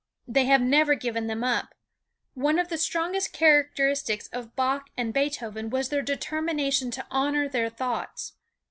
They have never given them up. One of the strongest characteristics of Bach and of Beethoven was their determination to honor their thoughts.